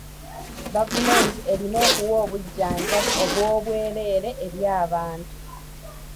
Gavumenti erina okuwa obujjanjabi obw'obwereere eri abantu.